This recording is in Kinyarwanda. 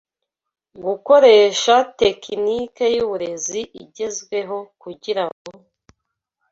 Gukoresha tekinike yuburezi igezweho kugirango